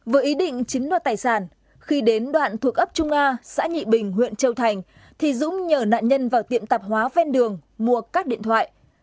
với ý định chiếm đoạt tài sản khi đến đoạn thuộc ấp trung nga xã nhị bình huyện châu thành thì dũng nhờ nạn nhân vào tiệm tạp hóa ven đường mua các điện thoại